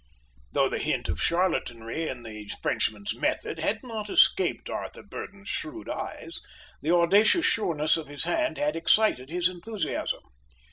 Though the hint of charlatanry in the Frenchman's methods had not escaped Arthur Burdon's shrewd eyes, the audacious sureness of his hand had excited his enthusiasm.